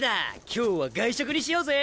今日は外食にしようぜ！